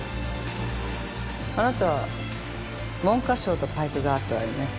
あなた文科省とパイプがあったわよね？